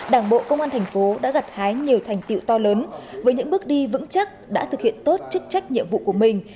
đảng bộ công an thành phố đã gặt hái nhiều thành tiệu to lớn với những bước đi vững chắc đã thực hiện tốt chức trách nhiệm vụ của mình